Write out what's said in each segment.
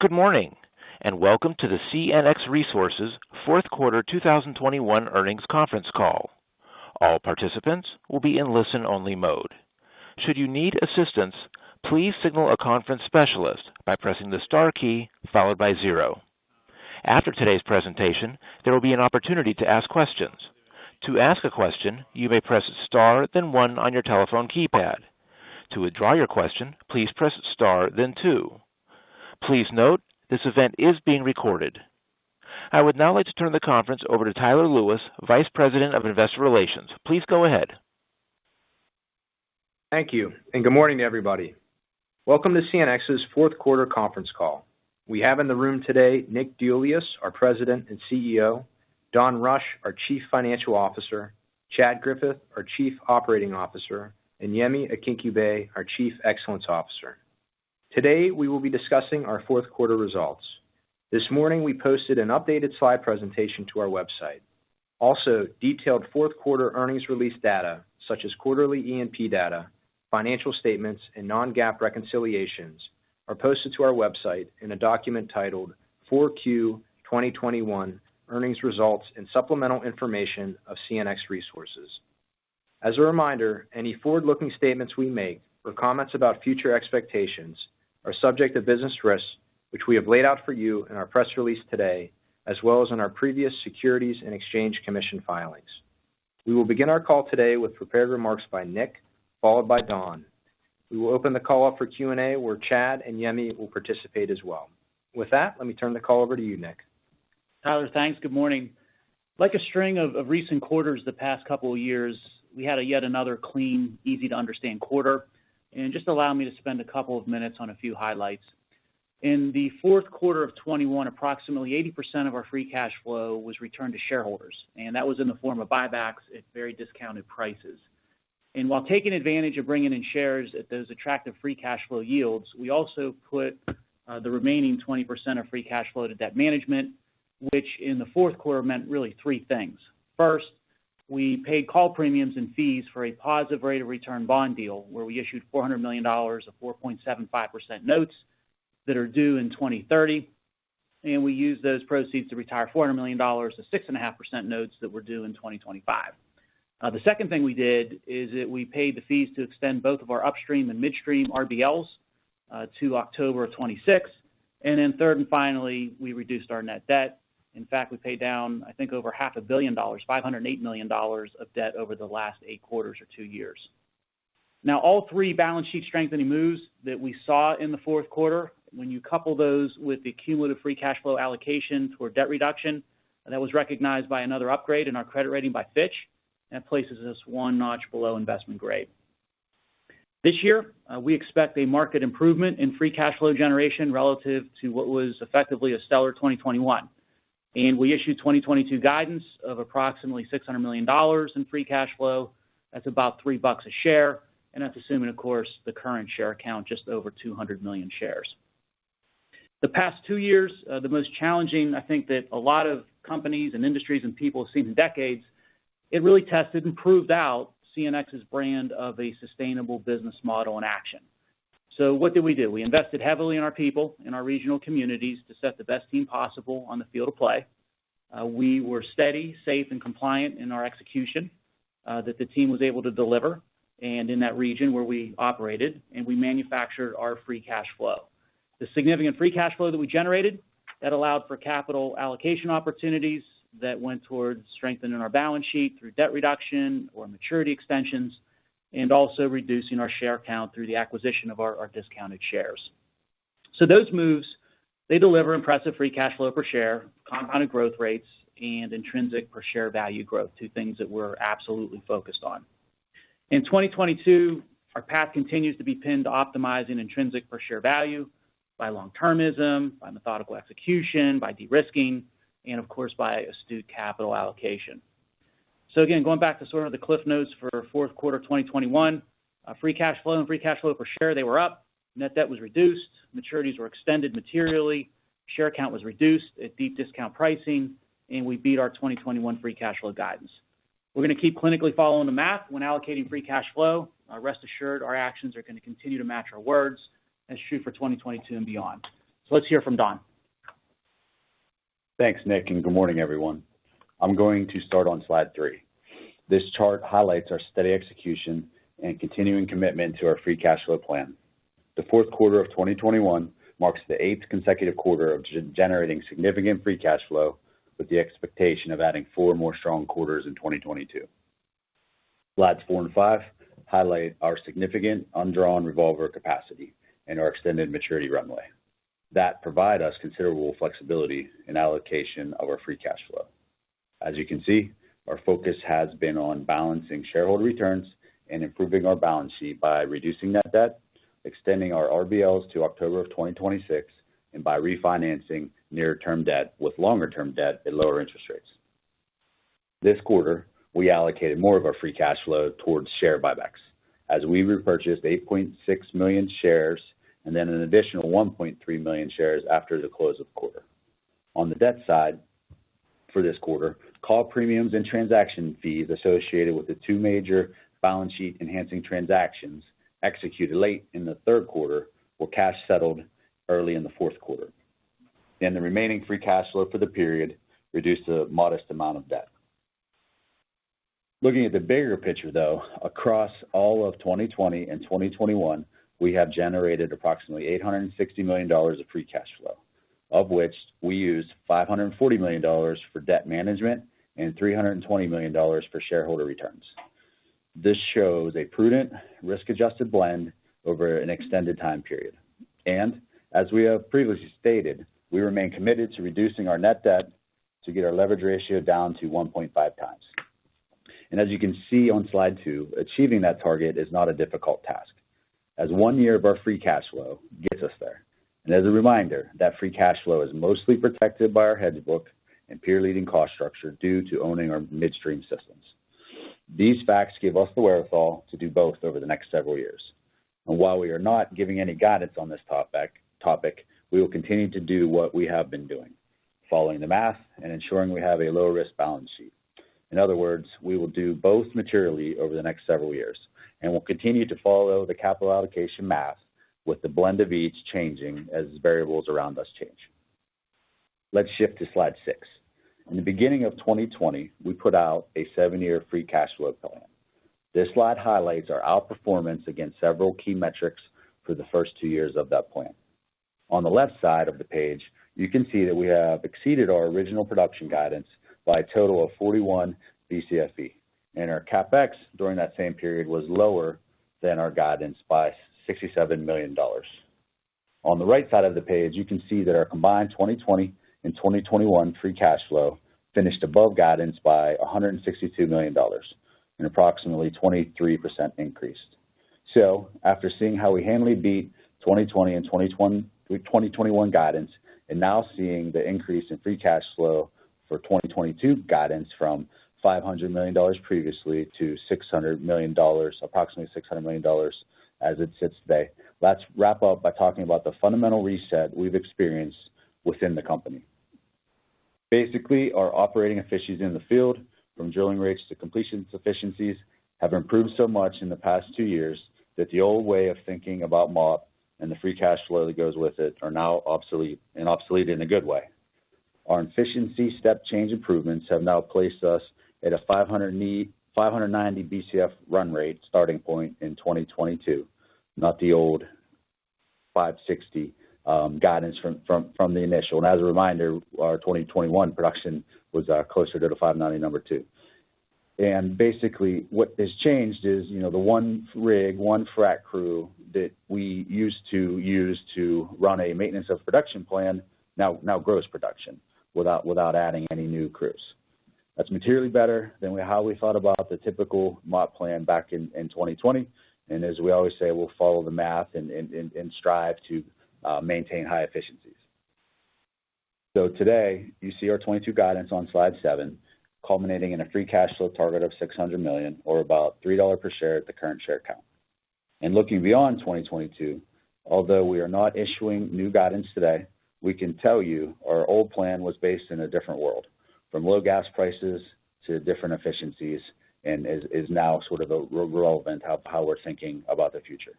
Good morning, and welcome to the CNX Resources Fourth Quarter 2021 Earnings Conference Call. All participants will be in listen-only mode. Should you need assistance, please signal a conference specialist by pressing the star key followed by zero. After today's presentation, there will be an opportunity to ask questions. To ask a question, you may press star then one on your telephone keypad. To withdraw your question, please press star then two. Please note, this event is being recorded. I would now like to turn the conference over to Tyler Lewis, Vice President of Investor Relations. Please go ahead. Thank you, and good morning, everybody. Welcome to CNX's Fourth Quarter Conference Call. We have in the room today Nick DeIuliis, our President and CEO, Don Rush, our Chief Financial Officer, Chad Griffith, our Chief Operating Officer, and Yemi Akinkugbe, our Chief Excellence Officer. Today, we will be discussing our fourth quarter results. This morning, we posted an updated slide presentation to our website. Also, detailed fourth quarter earnings release data such as quarterly E&P data, financial statements, and non-GAAP reconciliations are posted to our website in a document titled 4Q 2021 Earnings Results & Supplemental Information of CNX Resources. As a reminder, any forward-looking statements we make or comments about future expectations are subject to business risks, which we have laid out for you in our press release today, as well as in our previous Securities and Exchange Commission filings. We will begin our call today with prepared remarks by Nick, followed by Don. We will open the call up for Q&A, where Chad and Yemi will participate as well. With that, let me turn the call over to you, Nick. Tyler, thanks. Good morning. Like a string of recent quarters the past couple of years, we had a yet another clean, easy to understand quarter. Just allow me to spend a couple of minutes on a few highlights. In the fourth quarter of 2021, approximately 80% of our free cash flow was returned to shareholders, and that was in the form of buybacks at very discounted prices. While taking advantage of bringing in shares at those attractive free cash flow yields, we also put the remaining 20% of free cash flow to debt management, which in the fourth quarter meant really three things. First, we paid call premiums and fees for a positive rate of return bond deal where we issued $400 million of 4.75% notes that are due in 2030, and we used those proceeds to retire $400 million of 6.5% notes that were due in 2025. The second thing we did is that we paid the fees to extend both of our upstream and midstream RBLs to October of 2026. Third and finally, we reduced our net debt. In fact, we paid down, I think over half a billion dollars, $508 million of debt over the last eight quarters or two years. Now, all three balance sheet strengthening moves that we saw in the fourth quarter, when you couple those with the cumulative free cash flow allocation toward debt reduction, that was recognized by another upgrade in our credit rating by Fitch, and it places us one notch below investment grade. This year, we expect a marked improvement in free cash flow generation relative to what was effectively a stellar 2021. We issued 2022 guidance of approximately $600 million in free cash flow. That's about $3 a share, and that's assuming, of course, the current share count just over 200 million shares. The past two years, the most challenging, I think that a lot of companies and industries and people have seen in decades, it really tested and proved out CNX's brand of a sustainable business model in action. What did we do? We invested heavily in our people, in our regional communities to set the best team possible on the field of play. We were steady, safe, and compliant in our execution that the team was able to deliver and in that region where we operated, and we manufactured our free cash flow. The significant free cash flow that we generated, that allowed for capital allocation opportunities that went towards strengthening our balance sheet through debt reduction or maturity extensions, and also reducing our share count through the acquisition of our discounted shares. Those moves, they deliver impressive free cash flow per share, compounded growth rates, and intrinsic per share value growth, two things that we're absolutely focused on. In 2022, our path continues to be pinned to optimizing intrinsic per share value by long-termism, by methodical execution, by de-risking, and of course, by astute capital allocation. Again, going back to sort of the cliff notes for fourth quarter 2021, free cash flow and free cash flow per share, they were up. Net debt was reduced. Maturities were extended materially. Share count was reduced at deep discount pricing, and we beat our 2021 free cash flow guidance. We're gonna keep clinically following the math when allocating free cash flow. Rest assured our actions are gonna continue to match our words as we shoot for 2022 and beyond. Let's hear from Don. Thanks, Nick, and good morning, everyone. I'm going to start on slide 3. This chart highlights our steady execution and continuing commitment to our free cash flow plan. The fourth quarter of 2021 marks the eighth consecutive quarter of generating significant free cash flow with the expectation of adding 4 more strong quarters in 2022. Slides 4 and 5 highlight our significant undrawn revolver capacity and our extended maturity runway that provide us considerable flexibility in allocation of our free cash flow. As you can see, our focus has been on balancing shareholder returns and improving our balance sheet by reducing net debt, extending our RBLs to October of 2026, and by refinancing near-term debt with longer-term debt at lower interest rates. This quarter, we allocated more of our free cash flow towards share buybacks as we repurchased 8.6 million shares and then an additional 1.3 million shares after the close of quarter. On the debt side. For this quarter, call premiums and transaction fees associated with the two major balance sheet-enhancing transactions executed late in the third quarter were cash settled early in the fourth quarter. The remaining free cash flow for the period reduced a modest amount of debt. Looking at the bigger picture, though, across all of 2020 and 2021, we have generated approximately $860 million of free cash flow, of which we used $540 million for debt management and $320 million for shareholder returns. This shows a prudent risk-adjusted blend over an extended time period. As we have previously stated, we remain committed to reducing our net debt to get our leverage ratio down to 1.5 times. As you can see on slide 2, achieving that target is not a difficult task, as one year of our free cash flow gets us there. As a reminder, that free cash flow is mostly protected by our hedge book and peer-leading cost structure due to owning our midstream systems. These facts give us the wherewithal to do both over the next several years. While we are not giving any guidance on this topic, we will continue to do what we have been doing, following the math and ensuring we have a low-risk balance sheet. In other words, we will do both materially over the next several years, and we'll continue to follow the capital allocation math with the blend of each changing as variables around us change. Let's shift to slide 6. In the beginning of 2020, we put out a seven-year free cash flow plan. This slide highlights our outperformance against several key metrics for the first two years of that plan. On the left side of the page, you can see that we have exceeded our original production guidance by a total of 41 Bcfe, and our CapEx during that same period was lower than our guidance by $67 million. On the right side of the page, you can see that our combined 2020 and 2021 free cash flow finished above guidance by $162 million, an approximately 23% increase. After seeing how we handily beat 2020 and 2021 guidance and now seeing the increase in free cash flow for 2022 guidance from $500 million previously to $600 million—approximately $600 million as it sits today. Let's wrap up by talking about the fundamental reset we've experienced within the company. Basically, our operating efficiencies in the field, from drilling rates to completion sufficiencies, have improved so much in the past two years that the old way of thinking about MOP and the free cash flow that goes with it are now obsolete, and obsolete in a good way. Our efficiency step change improvements have now placed us at a 590 Bcf run rate starting point in 2022, not the old 560 guidance from the initial. As a reminder, our 2021 production was closer to the 590 number too. Basically, what has changed is, you know, the one rig, one frac crew that we used to use to run a maintenance of production plan now grows production without adding any new crews. That's materially better than how we thought about the typical MOP plan back in 2020. As we always say, we'll follow the math and strive to maintain high efficiencies. Today, you see our 2022 guidance on slide seven culminating in a free cash flow target of $600 million or about $3 per share at the current share count. Looking beyond 2022, although we are not issuing new guidance today, we can tell you our old plan was based in a different world, from low gas prices to different efficiencies and is now sort of irrelevant how we're thinking about the future.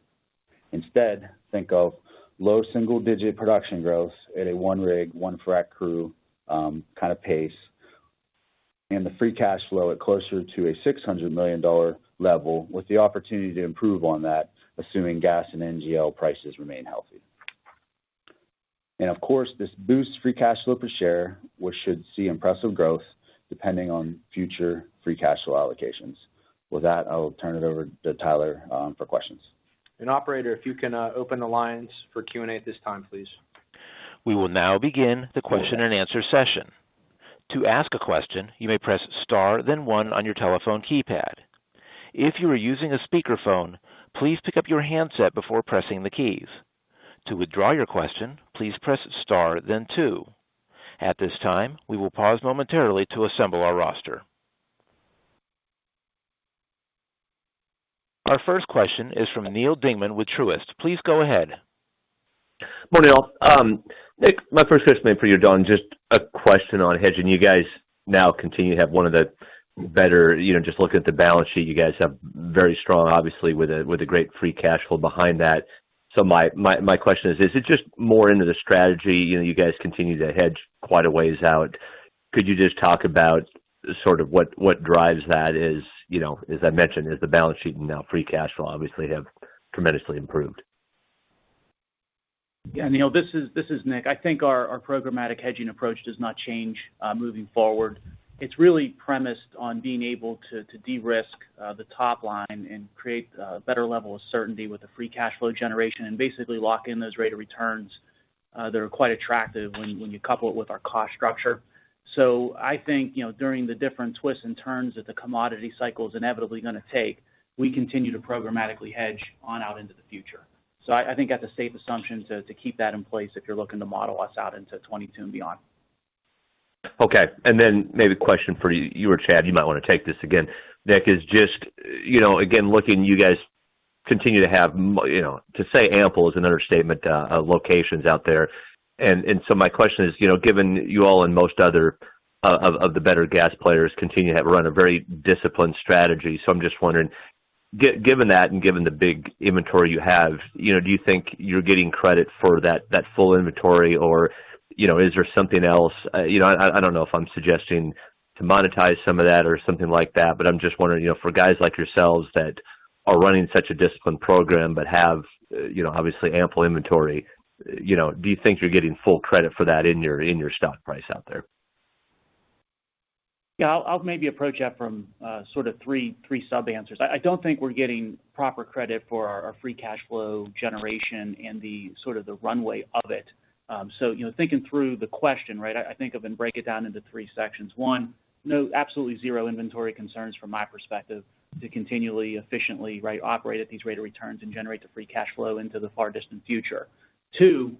Instead, think of low single-digit production growth at a 1 rig, 1 frac crew kind of pace, and the free cash flow closer to a $600 million level with the opportunity to improve on that, assuming gas and NGL prices remain healthy. Of course, this boosts free cash flow per share, which should see impressive growth depending on future free cash flow allocations. With that, I will turn it over to Tyler for questions. Operator, if you can, open the lines for Q&A at this time, please. We will now begin the question-and-answer session. To ask a question, you may press *, then 1 on your telephone keypad. If you are using a speakerphone, please pick up your handset before pressing the keys. To withdraw your question, please press * then 2. At this time, we will pause momentarily to assemble our roster. Our first question is from Neal Dingman with Truist. Please go ahead. Morning all. Nick, my first question for you, Don, just a question on hedging. You guys now continue to have one of the better. You know, just looking at the balance sheet, you guys have very strong, obviously, with a great free cash flow behind that. My question is: Is it just more into the strategy, you know, you guys continue to hedge quite a ways out? Could you just talk about sort of what drives that is, you know, as I mentioned, as the balance sheet and now free cash flow obviously have tremendously improved? Yeah. Neal, this is Nick. I think our programmatic hedging approach does not change moving forward. It's really premised on being able to de-risk the top line and create a better level of certainty with the free cash flow generation and basically lock in those rate of returns that are quite attractive when you couple it with our cost structure. I think, you know, during the different twists and turns that the commodity cycle is inevitably gonna take, we continue to programmatically hedge on out into the future. I think that's a safe assumption to keep that in place if you're looking to model us out into 2022 and beyond. Okay. Maybe a question for you or Chad. You might wanna take this again. Nick, it's just, you know, again, you guys continue to have more, you know, to say ample is an understatement, locations out there. My question is, you know, given you all and most of the other better gas players continue to have run a very disciplined strategy. I'm just wondering, given that, and given the big inventory you have, you know, do you think you're getting credit for that full inventory or, you know, is there something else? You know, I don't know if I'm suggesting to monetize some of that or something like that, but I'm just wondering, you know, for guys like yourselves that are running such a disciplined program but have, you know, obviously ample inventory, you know, do you think you're getting full credit for that in your stock price out there? Yeah. I'll maybe approach that from sort of three sub-answers. I don't think we're getting proper credit for our free cash flow generation and the sort of the runway of it. You know, thinking through the question, right? I think of and break it down into three sections. One, no absolutely zero inventory concerns from my perspective to continually efficiently operate at these rate of returns and generate the free cash flow into the far distant future. Two,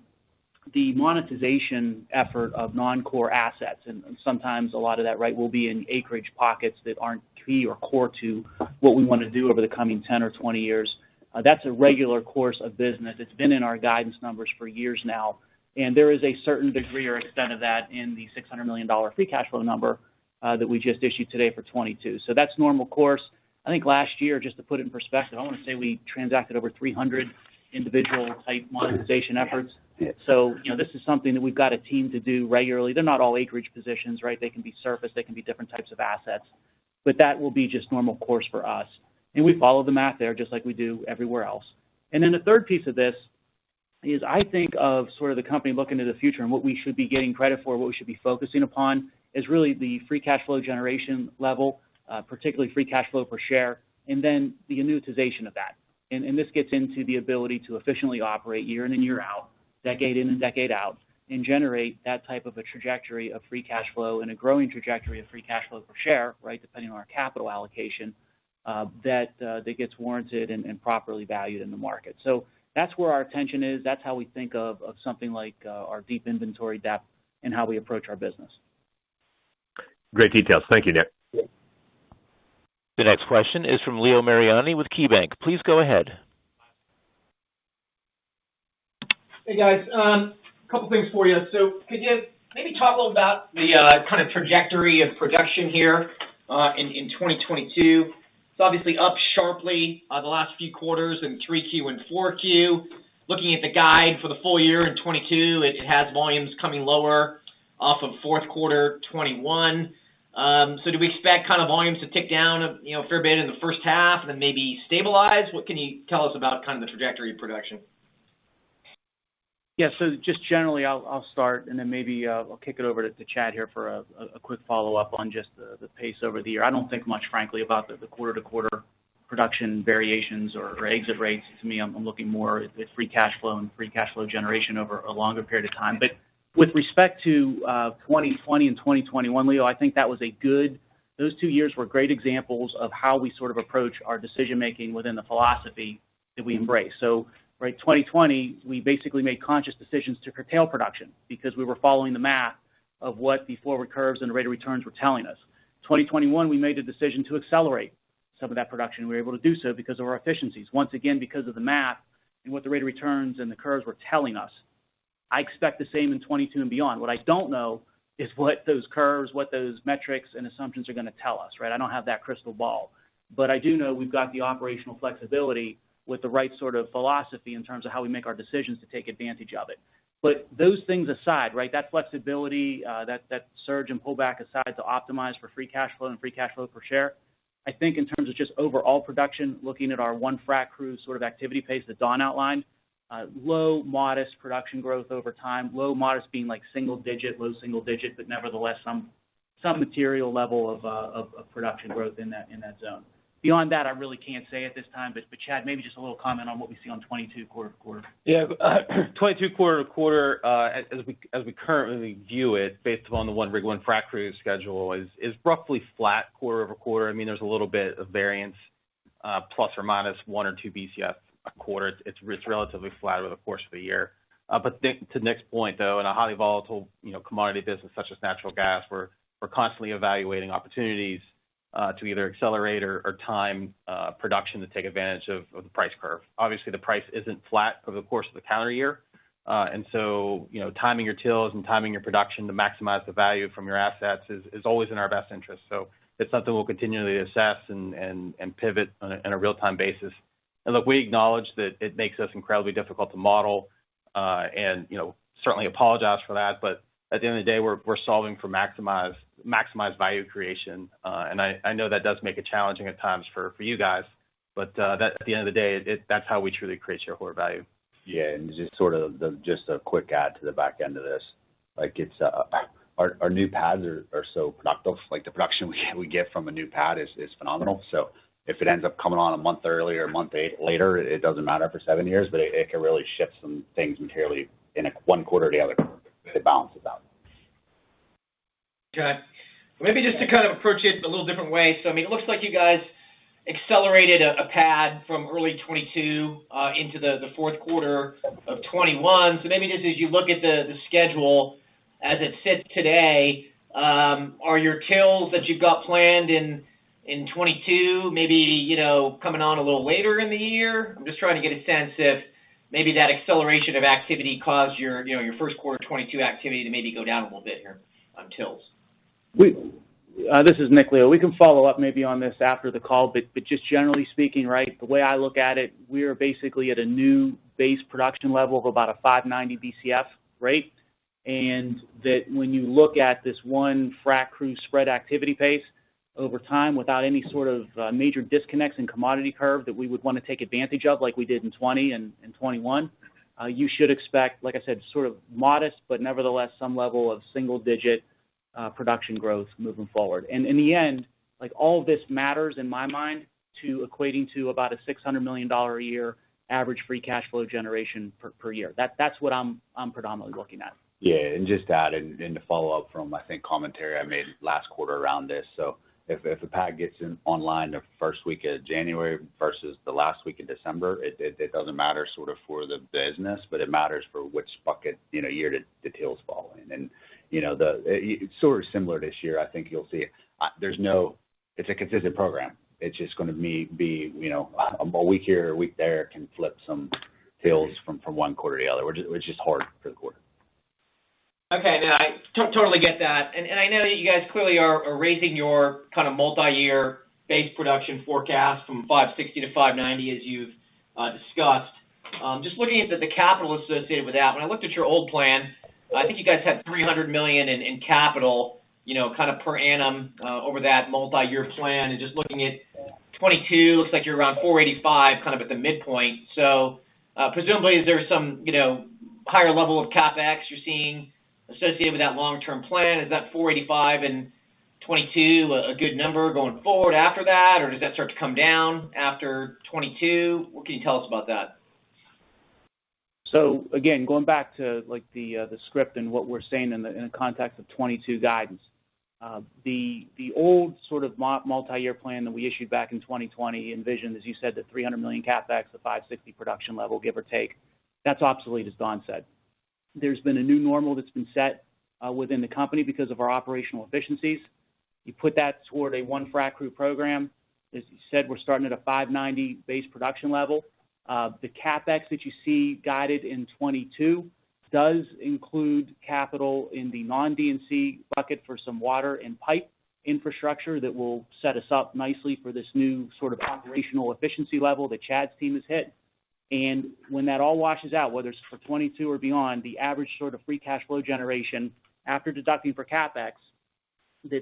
the monetization effort of non-core assets, and sometimes a lot of that will be in acreage pockets that aren't key or core to what we wanna do over the coming 10 or 20 years. That's a regular course of business. It's been in our guidance numbers for years now, and there is a certain degree or extent of that in the $600 million free cash flow number that we just issued today for 2022. That's normal course. I think last year, just to put it in perspective, I wanna say we transacted over 300 individual type monetization efforts. You know, this is something that we've got a team to do regularly. They're not all acreage positions, right? They can be surface, they can be different types of assets, but that will be just normal course for us. We follow the math there just like we do everywhere else. Then the third piece of this is, I think of sort of the company looking to the future and what we should be getting credit for, what we should be focusing upon, is really the free cash flow generation level, particularly free cash flow per share, and then the annuitization of that. This gets into the ability to efficiently operate year in and year out, decade in and decade out, and generate that type of a trajectory of free cash flow and a growing trajectory of free cash flow per share, right? Depending on our capital allocation, that gets warranted and properly valued in the market. That's where our attention is. That's how we think of something like our deep inventory depth and how we approach our business. Great details. Thank you, Nick. The next question is from Leo Mariani with KeyBanc. Please go ahead. Hey, guys. Couple things for you. Could you maybe talk a little about the kind of trajectory of production here in 2022? It's obviously up sharply the last few quarters in 3Q and 4Q. Looking at the guide for the full year in 2022, it has volumes coming lower off of fourth quarter 2021. Do we expect kind of volumes to tick down, you know, a fair bit in the first half and then maybe stabilize? What can you tell us about kind of the trajectory of production? Yeah. Just generally, I'll start and then maybe I'll kick it over to Chad here for a quick follow-up on just the pace over the year. I don't think much frankly about the quarter to quarter production variations or exit rates. To me, I'm looking more at free cash flow and free cash flow generation over a longer period of time. But with respect to 2020 and 2021, Leo, I think those two years were great examples of how we sort of approach our decision-making within the philosophy that we embrace. Right, 2020, we basically made conscious decisions to curtail production because we were following the math of what the forward curves and rate of returns were telling us. 2021, we made a decision to accelerate some of that production. We were able to do so because of our efficiencies. Once again, because of the math and what the rate of returns and the curves were telling us. I expect the same in 2022 and beyond. What I don't know is what those curves, what those metrics and assumptions are gonna tell us, right? I don't have that crystal ball. I do know we've got the operational flexibility with the right sort of philosophy in terms of how we make our decisions to take advantage of it. Those things aside, right? That flexibility, that surge and pull back aside to optimize for free cash flow and free cash flow per share. I think in terms of just overall production, looking at our one frac crew sort of activity pace that Don outlined, low modest production growth over time. Low modest being like single digit, low single digit, but nevertheless some material level of production growth in that zone. Beyond that, I really can't say at this time, but Chad, maybe just a little comment on what we see on 2022 quarter to quarter. Yeah. 2022 quarter-over-quarter, as we currently view it based upon the one rig, one frac crew schedule is roughly flat quarter-over-quarter. I mean, there's a little bit of variance, plus or minus one or two Bcf a quarter. It's relatively flat over the course of the year. To Nick's point, though, in a highly volatile, you know, commodity business such as natural gas, we're constantly evaluating opportunities to either accelerate or time production to take advantage of the price curve. Obviously, the price isn't flat over the course of the calendar year. You know, timing your tills and timing your production to maximize the value from your assets is always in our best interest. It's something we'll continually assess and pivot on a real-time basis. Look, we acknowledge that it makes us incredibly difficult to model, and you know, certainly apologize for that. At the end of the day, we're solving for maximize value creation. I know that does make it challenging at times for you guys, but at the end of the day, that's how we truly create shareholder value. Yeah. Just a quick add to the back end of this. Like, it's... Our new pads are so productive. Like, the production we get from a new pad is phenomenal. If it ends up coming on a month earlier, a month later, it doesn't matter for 7 years, but it can really shift some things materially in one quarter or the other quarter. It balances out. Got it. Maybe just to kind of approach it a little different way. I mean, it looks like you guys accelerated a pad from early 2022 into the fourth quarter of 2021. Maybe just as you look at the schedule as it sits today. Are your wells that you've got planned in 2022, maybe, you know, coming on a little later in the year? I'm just trying to get a sense if maybe that acceleration of activity caused your, you know, your first quarter 2022 activity to maybe go down a little bit here on wells. This is Nick, Leo. We can follow up maybe on this after the call, but just generally speaking, right? The way I look at it, we are basically at a new base production level of about 590 Bcf, right? That when you look at this one frac crew spread activity pace over time without any sort of major disconnects in commodity curve that we would want to take advantage of like we did in 2020 and 2021, you should expect, like I said, sort of modest, but nevertheless, some level of single-digit production growth moving forward. In the end, like, all this matters in my mind to equating to about a $600 million a year average free cash flow generation per year. That's what I'm predominantly looking at. Yeah. Just to add in, to follow up from I think commentary I made last quarter around this. If a pad gets online the first week of January versus the last week of December, it doesn't matter sort of for the business, but it matters for which bucket, you know, whether the results fall in. You know, it's sort of similar this year. I think you'll see. It's a consistent program. It's just gonna be, you know, a week here or a week there can flip some results from one quarter to the other. It's just hard to call the quarter. Okay. No, I totally get that. I know that you guys clearly are raising your kind of multi-year base production forecast from 560 to 590 as you've discussed. Just looking at the capital associated with that. When I looked at your old plan, I think you guys had $300 million in capital, you know, kind of per annum over that multi-year plan. Just looking at 2022, looks like you're around $485, kind of at the midpoint. Presumably, is there some, you know, higher level of CapEx you're seeing associated with that long-term plan? Is that 485 in 2022 a good number going forward after that? Or does that start to come down after 2022? What can you tell us about that? Again, going back to, like, the script and what we're saying in the context of 2022 guidance. The old sort of multi-year plan that we issued back in 2020 envisioned, as you said, the $300 million CapEx, the 560 production level, give or take. That's obsolete, as Don said. There's been a new normal that's been set within the company because of our operational efficiencies. You put that toward a one frac crew program. As you said, we're starting at a 590 base production level. The CapEx that you see guided in 2022 does include capital in the non-D&C bucket for some water and pipe infrastructure that will set us up nicely for this new sort of operational efficiency level that Chad's team has hit. When that all washes out, whether it's for 2022 or beyond, the average sort of free cash flow generation after deducting for CapEx,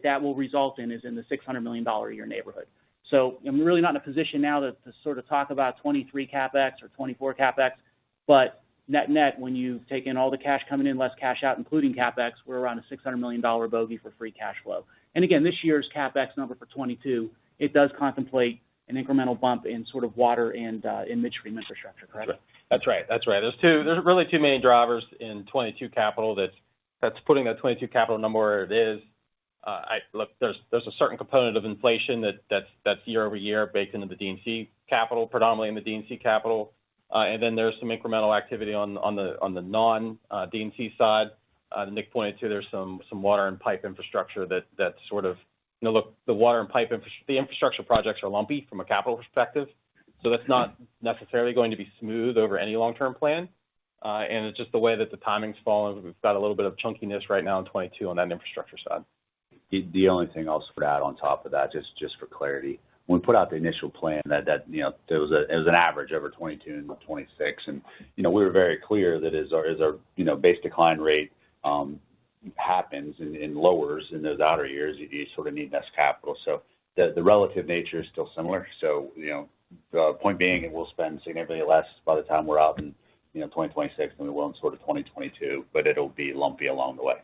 that will result in is in the $600 million a year neighborhood. I'm really not in a position now to sort of talk about 2023 CapEx or 2024 CapEx. Net-net, when you've taken all the cash coming in, less cash out, including CapEx, we're around a $600 million bogey for free cash flow. Again, this year's CapEx number for 2022, it does contemplate an incremental bump in sort of water and in midstream infrastructure, correct? That's right. There's really two main drivers in 2022 capital that's putting that 2022 capital number where it is. Look, there's a certain component of inflation that's year-over-year baked into the D&C capital, predominantly in the D&C capital. Then there's some incremental activity on the non-D&C side. Nick pointed to some water and pipe infrastructure. Now look, the water and pipe infrastructure projects are lumpy from a capital perspective. So that's not necessarily going to be smooth over any long-term plan. It's just the way that the timing's fallen. We've got a little bit of chunkiness right now in 2022 on that infrastructure side. The only thing I'll just add on top of that, just for clarity. When we put out the initial plan, you know, it was an average over 2022 into 2026. You know, we were very clear that as our you know, base decline rate happens and lowers in those outer years, you sort of need less capital. The relative nature is still similar. You know, the point being, we'll spend significantly less by the time we're out in, you know, 2026 than we will in sort of 2022, but it'll be lumpy along the way.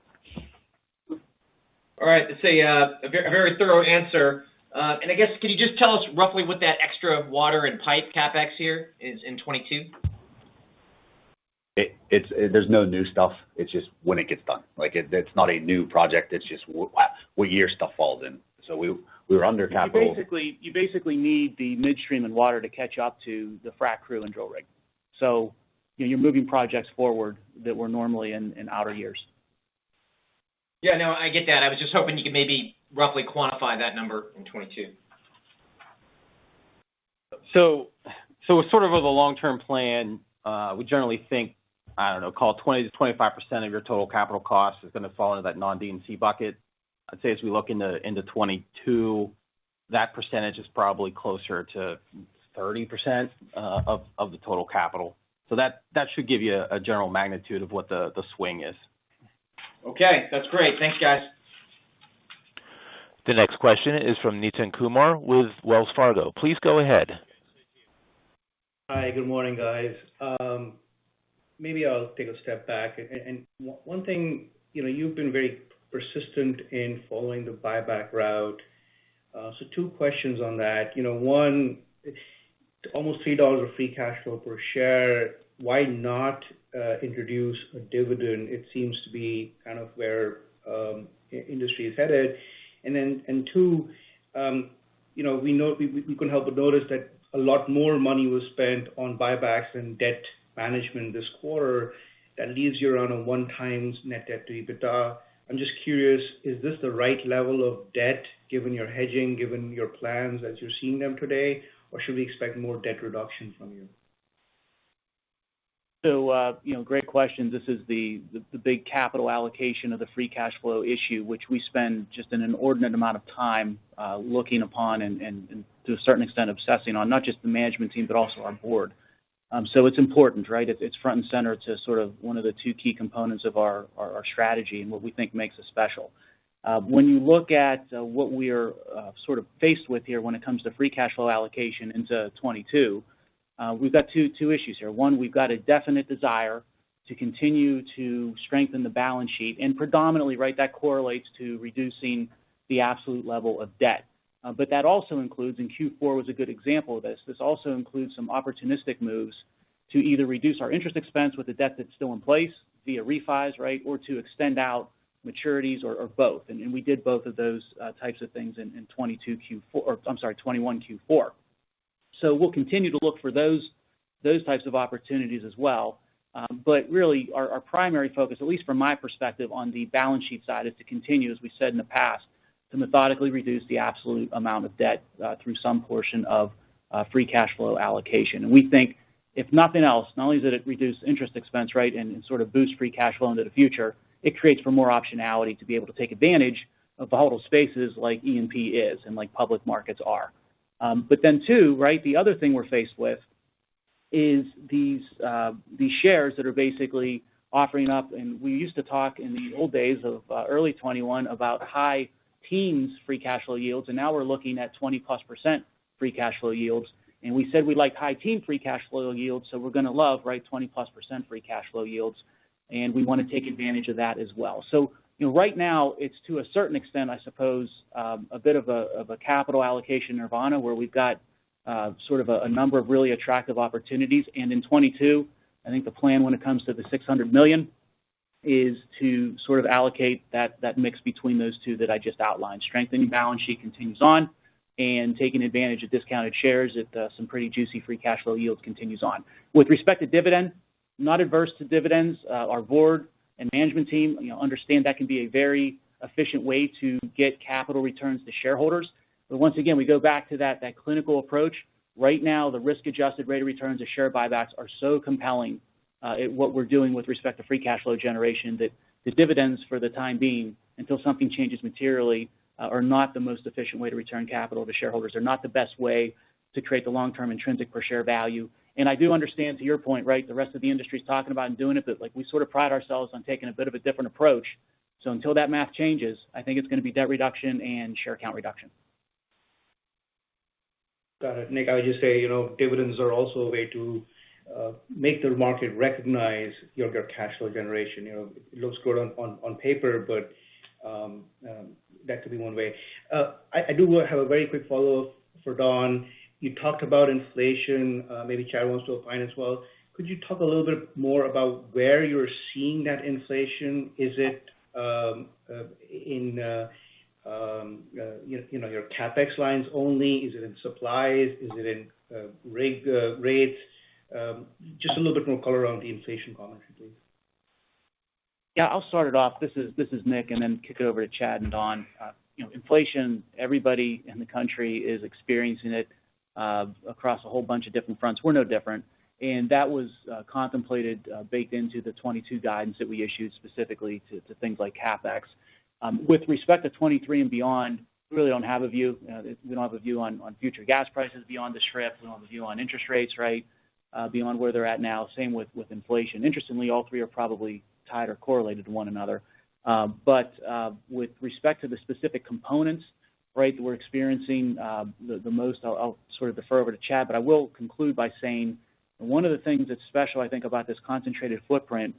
All right. It's a very thorough answer. I guess, can you just tell us roughly what that extra water and pipe CapEx here is in 2022? There's no new stuff. It's just when it gets done. Like, that's not a new project, it's just what year stuff falls in. So we were under capital- You basically need the midstream and water to catch up to the frac crew and drill rig. You know, you're moving projects forward that were normally in outer years. Yeah, no, I get that. I was just hoping you could maybe roughly quantify that number in 2022. Sort of with a long-term plan, we generally think, I don't know, call 20%-25% of your total capital cost is gonna fall into that non-D&C bucket. I'd say as we look into 2022, that percentage is probably closer to 30% of the total capital. That should give you a general magnitude of what the swing is. Okay, that's great. Thanks, guys. The next question is from Nitin Kumar with Wells Fargo. Please go ahead. Hi, good morning, guys. Maybe I'll take a step back. One thing, you know, you've been very persistent in following the buyback route. So two questions on that. You know, one, almost $3 of free cash flow per share. Why not introduce a dividend? It seems to be kind of where industry is headed. Then, two, you know, we couldn't help but notice that a lot more money was spent on buybacks and debt management this quarter. That leaves you around 1x net debt to EBITDA. I'm just curious, is this the right level of debt given your hedging, given your plans as you're seeing them today, or should we expect more debt reduction from you? You know, great question. This is the big capital allocation of the free cash flow issue, which we spend just an inordinate amount of time looking upon and to a certain extent, obsessing on not just the management team, but also our board. It's important, right? It's front and center to sort of one of the two key components of our strategy and what we think makes us special. When you look at what we are sort of faced with here when it comes to free cash flow allocation into 2022, we've got two issues here. One, we've got a definite desire to continue to strengthen the balance sheet, and predominantly, right, that correlates to reducing the absolute level of debt. That also includes. Q4 was a good example of this. This also includes some opportunistic moves to either reduce our interest expense with the debt that's still in place via refis, right? Or to extend out maturities or both. We did both of those types of things in Q4 2022, or I'm sorry, Q4 2021. We'll continue to look for those types of opportunities as well. Really our primary focus, at least from my perspective on the balance sheet side, is to continue, as we said in the past, to methodically reduce the absolute amount of debt through some portion of free cash flow allocation. We think if nothing else, not only does it reduce interest expense, right, and sort of boost free cash flow into the future, it creates for more optionality to be able to take advantage of volatile spaces like E&P is and like public markets are. Then, too, right, the other thing we're faced with is these shares that are basically offering up. We used to talk in the old days of early 2021 about high teens free cash flow yields, and now we're looking at 20+% free cash flow yields. We said we like high teens free cash flow yields, we're gonna love, right, 20+% free cash flow yields, and we wanna take advantage of that as well. You know, right now it's to a certain extent, I suppose, a bit of a capital allocation nirvana, where we've got sort of a number of really attractive opportunities. In 2022, I think the plan when it comes to $600 million is to sort of allocate that mix between those two that I just outlined. Strengthening the balance sheet continues on, and taking advantage of discounted shares at some pretty juicy free cash flow yields continues on. With respect to dividend, I'm not adverse to dividends. Our board and management team, you know, understand that can be a very efficient way to get capital returns to shareholders. Once again, we go back to that clinical approach. Right now, the risk-adjusted rate of returns of share buybacks are so compelling at what we're doing with respect to free cash flow generation, that the dividends for the time being, until something changes materially, are not the most efficient way to return capital to shareholders. They're not the best way to create the long-term intrinsic per share value. I do understand to your point, right, the rest of the industry's talking about and doing it, but, like, we sort of pride ourselves on taking a bit of a different approach. Until that math changes, I think it's gonna be debt reduction and share count reduction. Got it. Nick, I would just say, you know, dividends are also a way to make the market recognize your cash flow generation. You know, it looks good on paper, but that could be one way. I do have a very quick follow-up for Don. You talked about inflation, maybe Chad wants to opine as well. Could you talk a little bit more about where you're seeing that inflation? Is it in your CapEx lines only? Is it in supplies? Is it in rig rates? Just a little bit more color around the inflation comments, please. Yeah, I'll start it off, this is Nick, and then kick it over to Chad and Don. You know, inflation, everybody in the country is experiencing it across a whole bunch of different fronts. We're no different. That was contemplated baked into the 2022 guidance that we issued specifically to things like CapEx. With respect to 2023 and beyond, we really don't have a view. We don't have a view on future gas prices beyond this trip. We don't have a view on interest rates, right, beyond where they're at now. Same with inflation. Interestingly, all three are probably tied or correlated to one another. With respect to the specific components, right, that we're experiencing, the most I'll sort of defer over to Chad. I will conclude by saying one of the things that's special, I think, about this concentrated footprint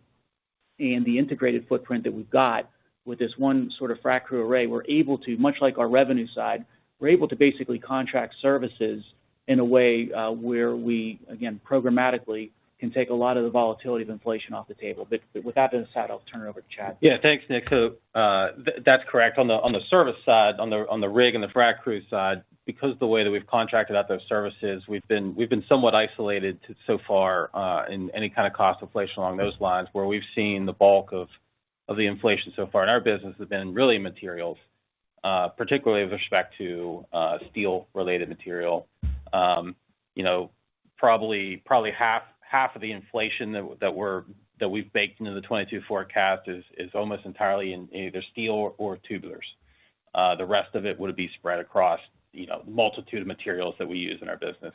and the integrated footprint that we've got with this one sort of frac crew array. We're able to, much like our revenue side, we're able to basically contract services in a way where we, again, programmatically can take a lot of the volatility of inflation off the table. With that being said, I'll turn it over to Chad. Yeah. Thanks, Nick. That's correct. On the service side, on the rig and the frac crew side, because of the way that we've contracted out those services, we've been somewhat isolated so far in any kind of cost inflation along those lines, where we've seen the bulk of the inflation so far in our business has been really in materials, particularly with respect to steel-related material. You know, probably half of the inflation that we've baked into the 2022 forecast is almost entirely in either steel or tubulars. The rest of it would be spread across, you know, a multitude of materials that we use in our business.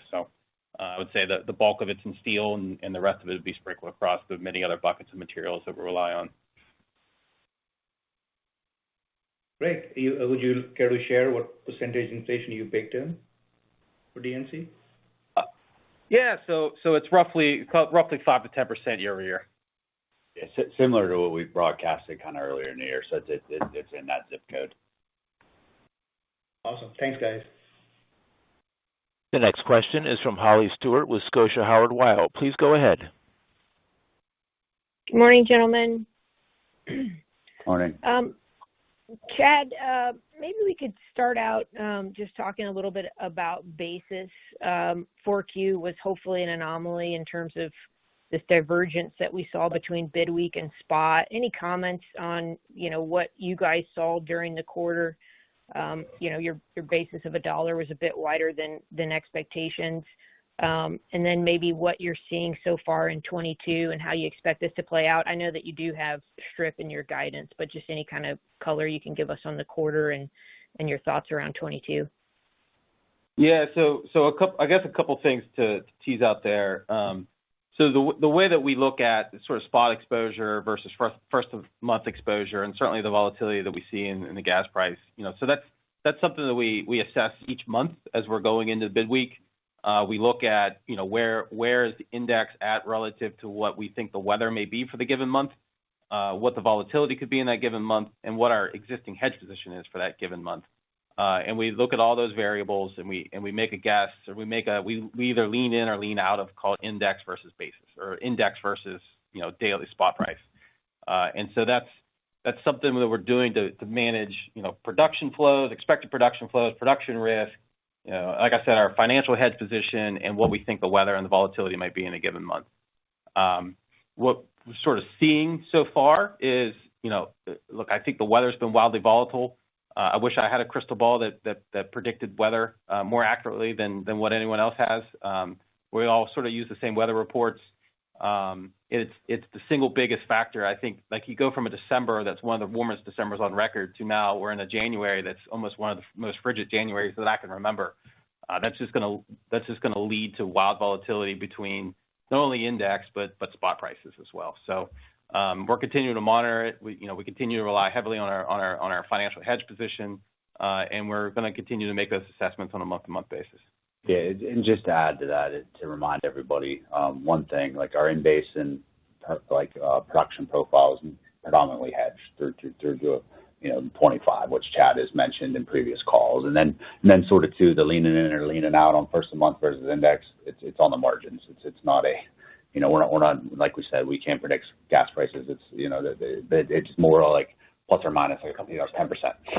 I would say that the bulk of it's in steel and the rest of it would be sprinkled across the many other buckets of materials that we rely on. Great. Would you care to share what percentage inflation you baked in for D&C? It's roughly 5%-10% year-over-year. Yeah. Similar to what we broadcasted kind of earlier in the year. It's in that ZIP code. Awesome. Thanks, guys. The next question is from Holly Stewart with Scotia Howard Weil. Please go ahead. Good morning, gentlemen. Morning. Chad, maybe we could start out just talking a little bit about basis. 4Q was hopefully an anomaly in terms of this divergence that we saw between bid week and spot. Any comments on, you know, what you guys saw during the quarter? You know, your basis of a dollar was a bit wider than expectations. Maybe what you're seeing so far in 2022, and how you expect this to play out. I know that you do have strip in your guidance, but just any kind of color you can give us on the quarter and your thoughts around 2022. I guess a couple of things to tease out there. The way that we look at sort of spot exposure versus first of month exposure, and certainly the volatility that we see in the gas price, you know. That's something that we assess each month as we're going into bid week. We look at, you know, where the index is at relative to what we think the weather may be for the given month, what the volatility could be in that given month, and what our existing hedge position is for that given month. And we look at all those variables, and we make a guess or we either lean in or lean out of call index versus basis or index versus, you know, daily spot price. That's something that we're doing to manage, you know, production flows, expected production flows, production risk, like I said, our financial hedge position and what we think the weather and the volatility might be in a given month. What we're sort of seeing so far is, you know, look, I think the weather's been wildly volatile. I wish I had a crystal ball that predicted weather more accurately than what anyone else has. We all sort of use the same weather reports. It's the single biggest factor, I think. Like, you go from a December that's one of the warmest Decembers on record to now we're in a January that's almost one of the most frigid Januaries that I can remember. That's just gonna lead to wild volatility between not only index, but spot prices as well. We're continuing to monitor it. You know, we continue to rely heavily on our financial hedge position, and we're gonna continue to make those assessments on a month-to-month basis. Yeah. Just to add to that, to remind everybody, one thing. Like, our in-basin, like, production profile is predominantly hedged through to 2025, which Chad has mentioned in previous calls. Then sort of too, the leaning in or leaning out on first of month versus index, it's on the margins. It's not a. You know, we're not. Like we said, we can't predict gas prices. It's more like plus or minus, like, a company that's 10%,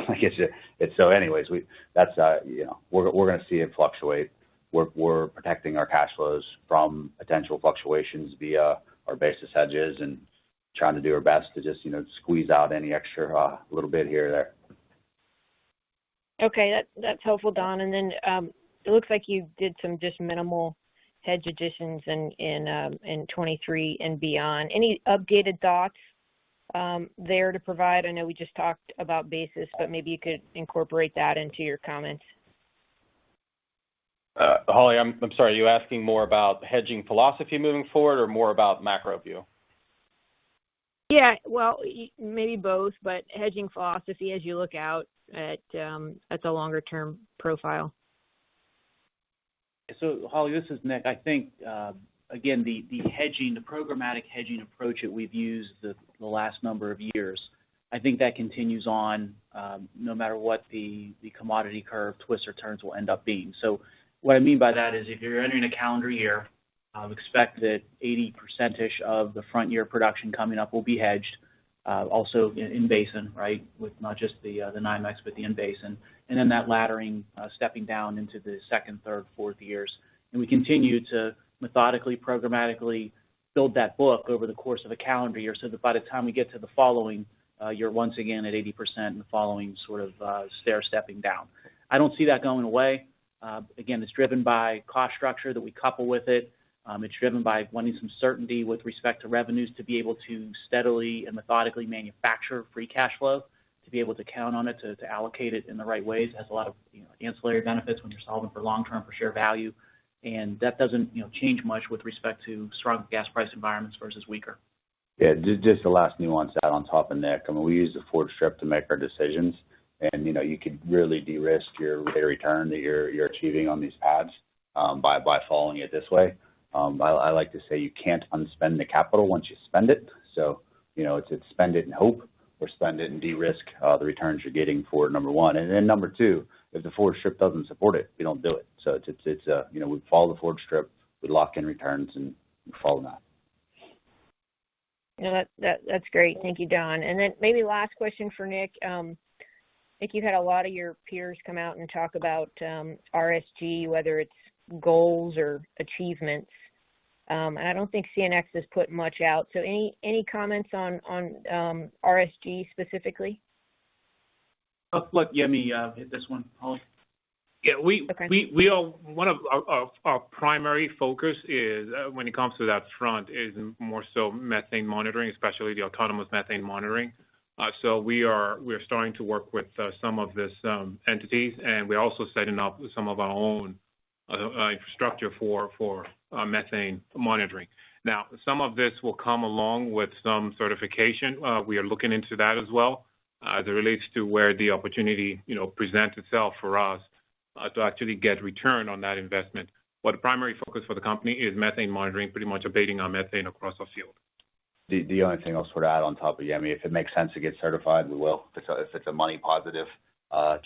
I guess. It's so. Anyways, that's, you know, we're gonna see it fluctuate. We're protecting our cash flows from potential fluctuations via our basis hedges and trying to do our best to just, you know, squeeze out any extra little bit here or there. Okay. That's helpful, Don. It looks like you did some just minimal hedge additions in 2023 and beyond. Any updated thoughts there to provide? I know we just talked about basis, but maybe you could incorporate that into your comments. Holly, I'm sorry. Are you asking more about hedging philosophy moving forward or more about macro view? Yeah. Well, maybe both, but hedging philosophy as you look out at the longer term profile. Holly, this is Nick. I think, again, the hedging, the programmatic hedging approach that we've used the last number of years, I think that continues on, no matter what the commodity curve twists or turns will end up being. What I mean by that is, if you're entering a calendar year, expect that 80% of the front year production coming up will be hedged, also in basin, right? With not just the NYMEX, but the in-basin. That laddering, stepping down into the second, third, fourth years. We continue to methodically, programmatically build that book over the course of a calendar year so that by the time we get to the following year, once again at 80% and the following sort of stair stepping down. I don't see that going away. Again, it's driven by cost structure that we couple with it. It's driven by wanting some certainty with respect to revenues to be able to steadily and methodically manufacture free cash flow, to be able to count on it, to allocate it in the right ways. It has a lot of, you know, ancillary benefits when you're solving for long term for share value. That doesn't, you know, change much with respect to strong gas price environments versus weaker. Yeah. Just the last nuance out on top of Nick. I mean, we use the forward strip to make our decisions. You know, you could really de-risk your rate of return that you're achieving on these pads by following it this way. I like to say you can't unspend the capital once you spend it. You know, it's spend it and hope or spend it and de-risk the returns you're getting for number one. Then number two, if the forward strip doesn't support it, we don't do it. It's, you know, we follow the forward strip, we lock in returns and follow that. Yeah, that's great. Thank you, Don. Maybe last question for Nick. Nick, you've had a lot of your peers come out and talk about RSG, whether it's goals or achievements. I don't think CNX has put much out. Any comments on RSG specifically? I'll let Yemi hit this one, Holly. Yeah. Okay. One of our primary focus, when it comes to that front, is more so methane monitoring, especially the autonomous methane monitoring. So we are starting to work with some of these entities, and we're also setting up some of our own infrastructure for methane monitoring. Now, some of this will come along with some certification. We are looking into that as well, as it relates to where the opportunity, you know, presents itself for us to actually get return on that investment. The primary focus for the company is methane monitoring, pretty much abating our methane across our field. The only thing I'll sort of add on top of Yemi, if it makes sense to get certified, we will, if it's a money positive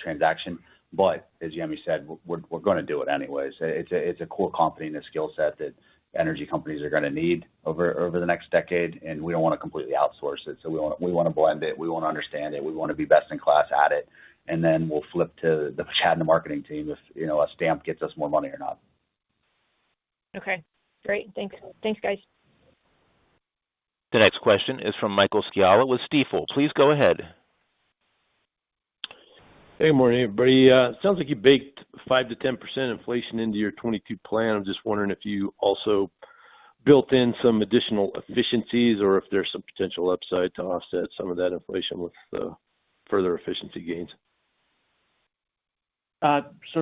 transaction. As Yemi said, we're gonna do it anyways. It's a cool company and a skill set that energy companies are gonna need over the next decade, and we don't wanna completely outsource it. We wanna blend it. We wanna understand it. We wanna be best in class at it. Then we'll flip to the Chad and the marketing team if, you know, a stamp gets us more money or not. Okay, great. Thanks, guys. The next question is from Michael Scialla with Stifel. Please go ahead. Hey, good morning, everybody. Sounds like you baked 5%-10% inflation into your 2022 plan. I'm just wondering if you also built in some additional efficiencies or if there's some potential upside to offset some of that inflation with further efficiency gains.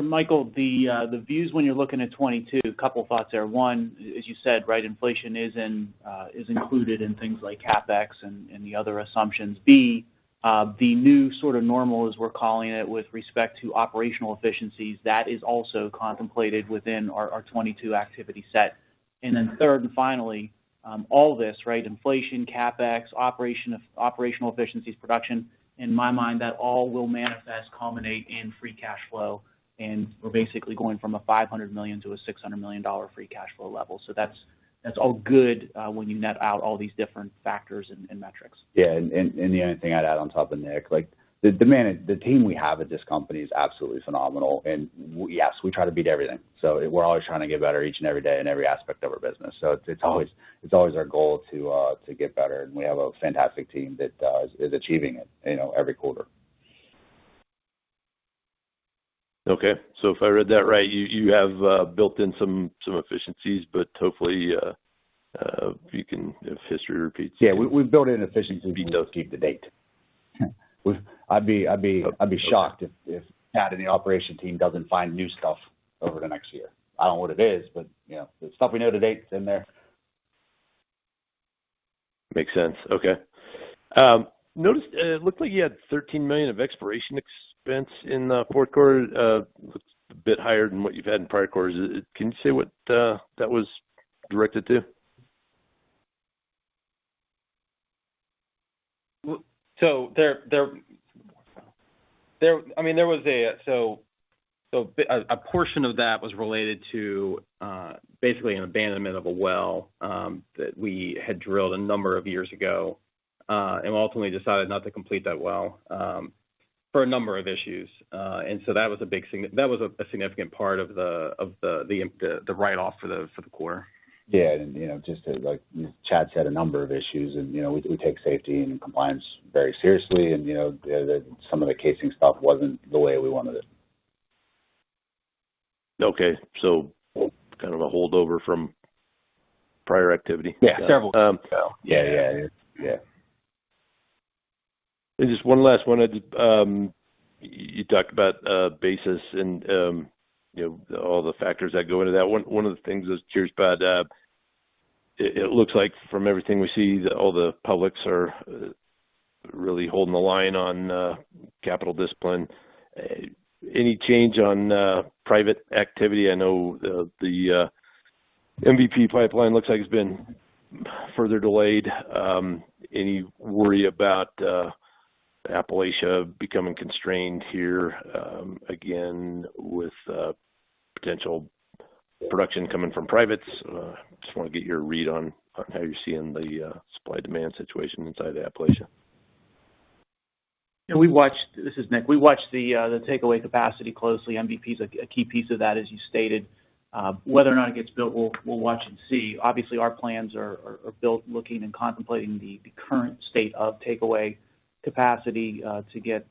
Michael, the views when you're looking at 2022, a couple of thoughts there. One, as you said, right, inflation is included in things like CapEx and the other assumptions. B, the new sort of normal, as we're calling it, with respect to operational efficiencies, that is also contemplated within our 2022 activity set. Then third, and finally, all this, right, inflation, CapEx, operational efficiencies, production, in my mind, that all will manifest, culminate in free cash flow. We're basically going from $500 million-$600 million free cash flow level. That's all good when you net out all these different factors and metrics. The only thing I'd add on top of Nick, like the team we have at this company is absolutely phenomenal. Yes, we try to beat everything. We're always trying to get better each and every day in every aspect of our business. It's always our goal to get better. We have a fantastic team that is achieving it, you know, every quarter. Okay. If I read that right, you have built in some efficiencies, but hopefully you can. If history repeats. Yeah, we've built in efficiencies. If you don't keep the date. I'd be shocked if Chad and the operations team doesn't find new stuff over the next year. I don't know what it is, but you know, the stuff we know to date is in there. Makes sense. Okay. Noticed it looked like you had $13 million of exploration expense in the fourth quarter. Looks a bit higher than what you've had in prior quarters. Can you say what that was directed to? Well, I mean, a portion of that was related to basically an abandonment of a well that we had drilled a number of years ago and ultimately decided not to complete that well for a number of issues. That was a significant part of the write-off for the quarter. Yeah. You know, just to like Chad said, a number of issues. You know, we take safety and compliance very seriously. You know, some of the casing stuff wasn't the way we wanted it. Okay. Kind of a holdover from prior activity. Yeah. Several. Um. Yeah. Just one last one. You talked about basis and you know all the factors that go into that. One of the things that strikes me, it looks like from everything we see that all the publics are really holding the line on capital discipline. Any change on private activity? I know the MVP pipeline looks like it's been further delayed. Any worry about Appalachia becoming constrained here again with potential production coming from privates? Just wanna get your read on how you're seeing the supply demand situation inside of Appalachia. This is Nick. We watched the takeaway capacity closely. MVP is a key piece of that, as you stated. Whether or not it gets built, we'll watch and see. Obviously, our plans are built looking and contemplating the current state of takeaway capacity to get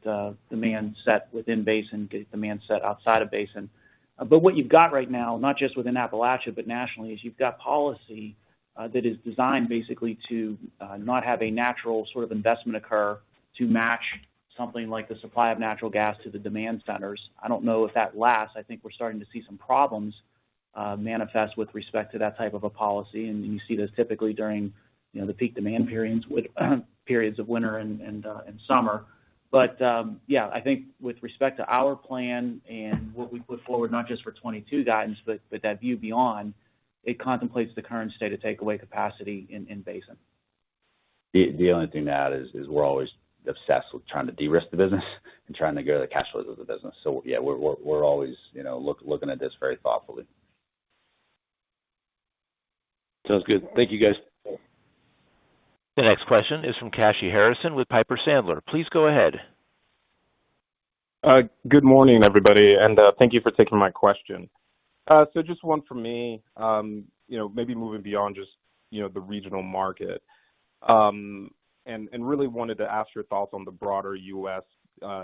demand set within basin, get demand set outside of basin. What you've got right now, not just within Appalachia, but nationally, is you've got policy that is designed basically to not have a natural sort of investment occur to match something like the supply of natural gas to the demand centers. I don't know if that lasts. I think we're starting to see some problems manifest with respect to that type of a policy. You see this typically during, you know, the peak demand periods with periods of winter and summer. Yeah, I think with respect to our plan and what we put forward, not just for 2022 guidance, but that view beyond, it contemplates the current state of takeaway capacity in basin. The only thing is we're always obsessed with trying to de-risk the business and trying to grow the cash flow of the business. Yeah, we're always, you know, looking at this very thoughtfully. Sounds good. Thank you, guys. The next question is from Kashy Harrison with Piper Sandler. Please go ahead. Good morning, everybody, and thank you for taking my question. Just one for me. You know, maybe moving beyond just, you know, the regional market. Really wanted to ask your thoughts on the broader U.S.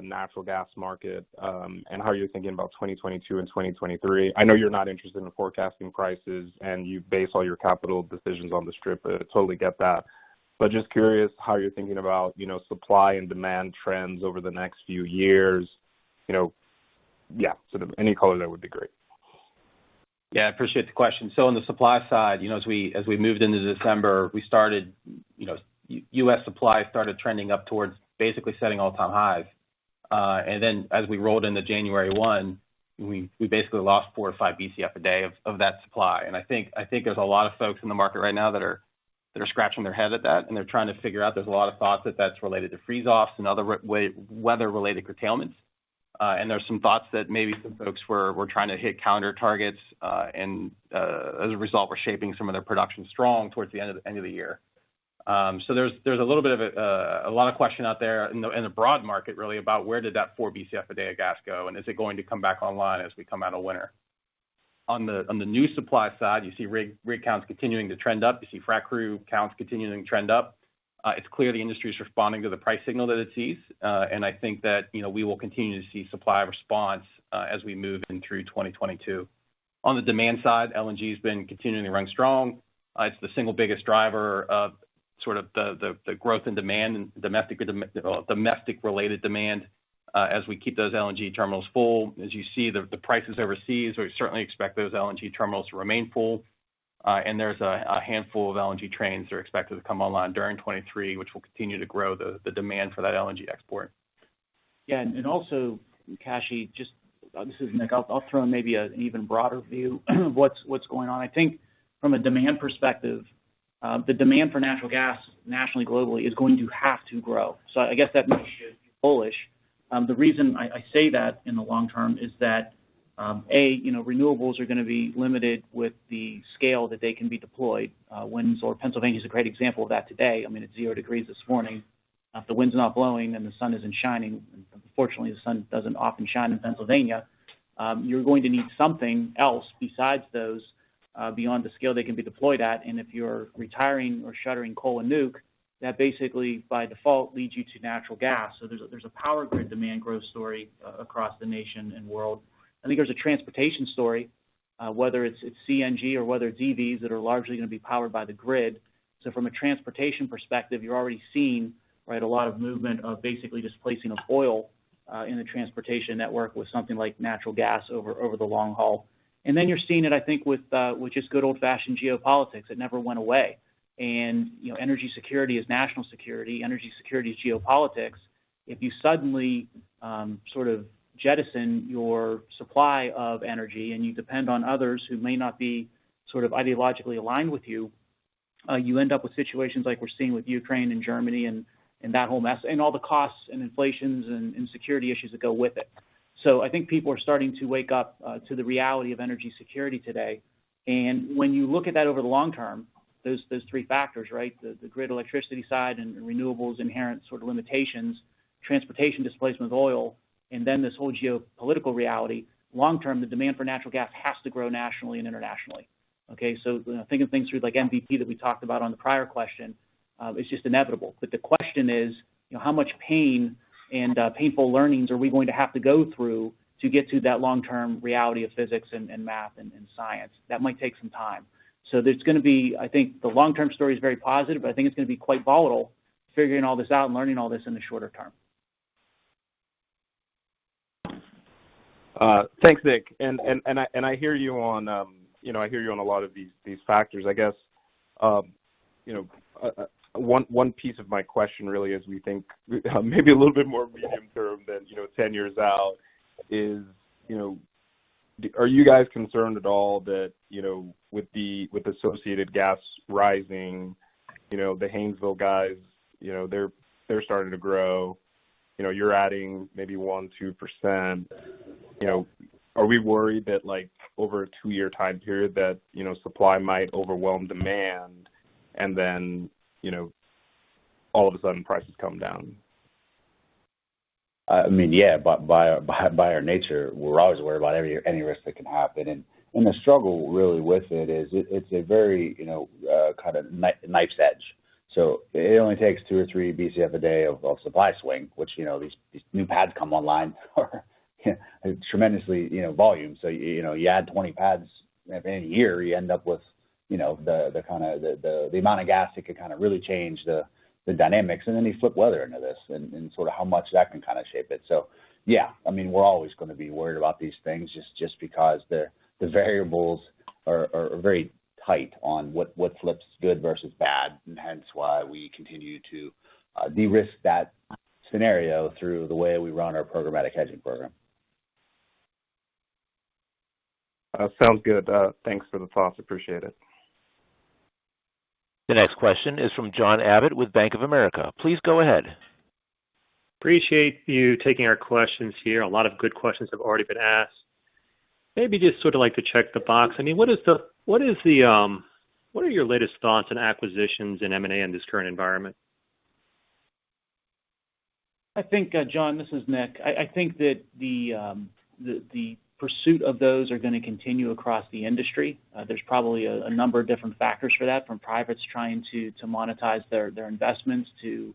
natural gas market, and how you're thinking about 2022 and 2023. I know you're not interested in forecasting prices, and you base all your capital decisions on the strip. I totally get that. But just curious how you're thinking about, you know, supply and demand trends over the next few years. You know, yeah. Any color there would be great. Yeah, I appreciate the question. On the supply side, you know, as we moved into December, we started, you know, U.S. supply started trending up towards basically setting all-time highs. As we rolled into January 1, we basically lost 4 or 5 Bcf a day of that supply. I think there's a lot of folks in the market right now that are scratching their head at that, and they're trying to figure out. There's a lot of thoughts that that's related to freeze-offs and other weather-related curtailments. There's some thoughts that maybe some folks were trying to hit calendar targets, and as a result, were shaping some of their production strong towards the end of the year. There's a little bit of a lot of question out there in the broad market really about where did that 4 Bcf a day of gas go, and is it going to come back online as we come out of winter. On the new supply side, you see rig counts continuing to trend up. You see frac crew counts continuing to trend up. It's clear the industry is responding to the price signal that it sees. I think that, you know, we will continue to see supply response as we move in through 2022. On the demand side, LNG has been continuing to run strong. It's the single biggest driver of the growth in demand and domestic related demand as we keep those LNG terminals full. As you see the prices overseas, we certainly expect those LNG terminals to remain full. There's a handful of LNG trains that are expected to come online during 2023, which will continue to grow the demand for that LNG export. Yeah. Also, Kashy, just this is Nick. I'll throw in maybe an even broader view of what's going on. I think from a demand perspective, the demand for natural gas nationally, globally is going to have to grow. So I guess that makes you bullish. The reason I say that in the long term is that, A, you know, renewables are gonna be limited with the scale that they can be deployed. Pennsylvania is a great example of that today. I mean, it's zero degrees this morning. If the wind's not blowing and the sun isn't shining, unfortunately, the sun doesn't often shine in Pennsylvania, you're going to need something else besides those, beyond the scale they can be deployed at. If you're retiring or shuttering coal and nuke, that basically by default leads you to natural gas. There's a power grid demand growth story across the nation and world. I think there's a transportation story, whether it's CNG or whether it's EVs that are largely gonna be powered by the grid. From a transportation perspective, you're already seeing a lot of movement of basically displacing of oil in the transportation network with something like natural gas over the long haul. Then you're seeing it, I think, with just good old-fashioned geopolitics. It never went away. You know, energy security is national security. Energy security is geopolitics. If you suddenly, sort of jettison your supply of energy and you depend on others who may not be sort of ideologically aligned with you end up with situations like we're seeing with Ukraine and Germany and that whole mess, and all the costs and inflations and security issues that go with it. I think people are starting to wake up to the reality of energy security today. When you look at that over the long term, those three factors, right? The grid electricity side and renewables' inherent sort of limitations, transportation displacement of oil, and then this whole geopolitical reality, long term, the demand for natural gas has to grow nationally and internationally. Okay. When I think of things through like MVP that we talked about on the prior question, it's just inevitable. The question is, you know, how much pain and painful learnings are we going to have to go through to get to that long-term reality of physics and math and science? That might take some time. There's gonna be I think the long-term story is very positive, but I think it's gonna be quite volatile figuring all this out and learning all this in the shorter term. Thanks, Nick. I hear you on a lot of these factors. I guess, you know, one piece of my question really is we think maybe a little bit more medium term than, you know, 10 years out. Is, you know, are you guys concerned at all that, you know, with associated gas rising, you know, the Haynesville guys, you know, they're starting to grow, you know, you're adding maybe 1%-2%. You know, are we worried that like, over a two-year time period that, you know, supply might overwhelm demand and then, you know, all of a sudden prices come down? I mean, yeah. By our nature, we're always worried about any risk that can happen. The struggle really with it is it's a very kind of nice edge. So it only takes 2 or 3 Bcf a day of supply swing, which, you know, these new pads come online are tremendously, you know, volume. You know, you add 20 pads in a year, you end up with, you know, the kind of amount of gas that could kind of really change the dynamics. Then you flip weather into this and sort of how much that can kind of shape it. Yeah, I mean, we're always gonna be worried about these things just because the variables are very tight on what flips good versus bad, and hence why we continue to de-risk that scenario through the way we run our programmatic hedging program. Sounds good. Thanks for the thoughts. Appreciate it. The next question is from John Abbott with Bank of America. Please go ahead. appreciate you taking our questions here. A lot of good questions have already been asked. Maybe just sort of like to check the box. I mean, what are your latest thoughts on acquisitions in M&A in this current environment? I think, John, this is Nick. I think that the pursuit of those are gonna continue across the industry. There's probably a number of different factors for that, from privates trying to monetize their investments to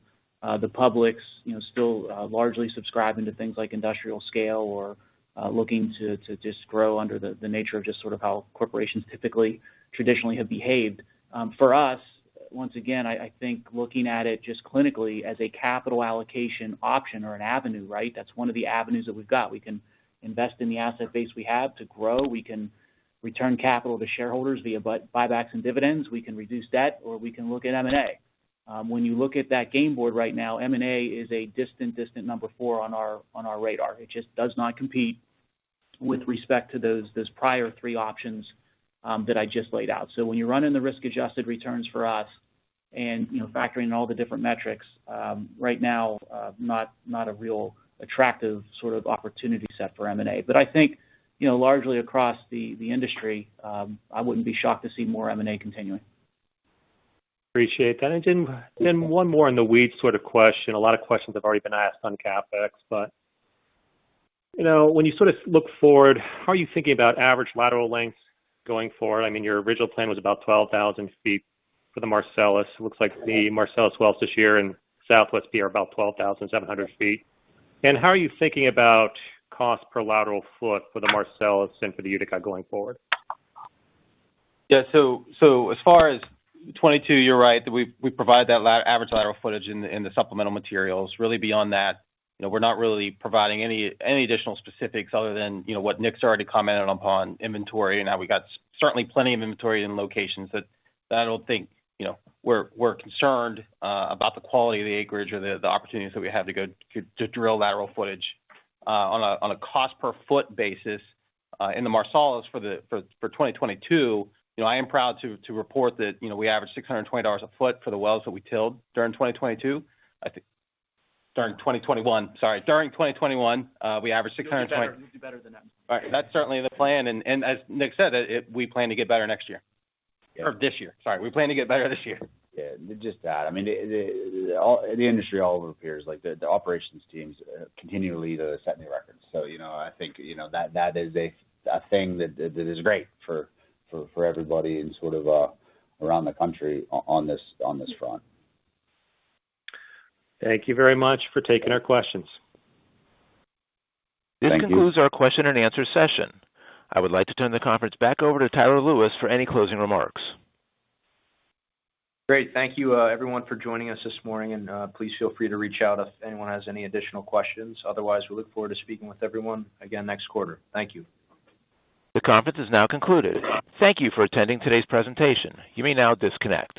the publics, you know, still largely subscribing to things like industrial scale or looking to just grow under the nature of just sort of how corporations typically, traditionally have behaved. For us, once again, I think looking at it just clinically as a capital allocation option or an avenue, right? That's one of the avenues that we've got. We can invest in the asset base we have to grow. We can return capital to shareholders via buybacks and dividends. We can reduce debt, or we can look at M&A. When you look at that game board right now, M&A is a distant number four on our radar. It just does not compete with respect to those prior three options that I just laid out. When you're running the risk-adjusted returns for us and, you know, factoring all the different metrics, right now, not a real attractive sort of opportunity set for M&A. I think, you know, largely across the industry, I wouldn't be shocked to see more M&A continuing. Appreciate that. One more in the weeds sort of question. A lot of questions have already been asked on CapEx, but, you know, when you sort of look forward, how are you thinking about average lateral lengths going forward? I mean, your original plan was about 12,000 feet for the Marcellus. It looks like the Marcellus wells this year in Southwest PA are about 12,700 feet. How are you thinking about cost per lateral foot for the Marcellus and for the Utica going forward? Yeah. As far as 2022, you're right that we provide that average lateral footage in the supplemental materials. Really beyond that, you know, we're not really providing any additional specifics other than, you know, what Nick's already commented upon, inventory and how we got certainly plenty of inventory in locations that I don't think, you know, we're concerned about the quality of the acreage or the opportunities that we have to go to drill lateral footage on a cost per foot basis in the Marcellus for 2022. You know, I am proud to report that, you know, we averaged $620 a foot for the wells that we drilled during 2022. I think during 2021. Sorry. During 2021, we averaged 620- We'll do better than that. All right. That's certainly the plan. As Nick said, we plan to get better next year or this year. Sorry, we plan to get better this year. Yeah, just that. I mean, the industry all over the place. Like, the operations teams continue to set new records. You know, I think that is a thing that is great for everybody and sort of around the country on this front. Thank you very much for taking our questions. Thank you. This concludes our question and answer session. I would like to turn the conference back over to Tyler Lewis for any closing remarks. Great. Thank you, everyone for joining us this morning, and please feel free to reach out if anyone has any additional questions. Otherwise, we look forward to speaking with everyone again next quarter. Thank you. The conference is now concluded. Thank you for attending today's presentation. You may now disconnect.